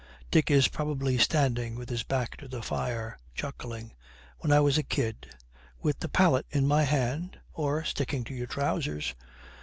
Dick is probably standing with his back to the fire, chuckling. 'When I was a kid.' 'With the palette in my hand.' 'Or sticking to your trousers.'